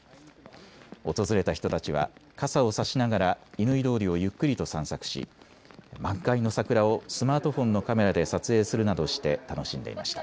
訪れた人たちは傘を差しながら乾通りをゆっくりと散策し満開の桜をスマートフォンのカメラで撮影するなどして楽しんでいました。